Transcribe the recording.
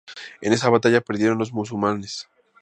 En esa batalla perdieron los musulmanes.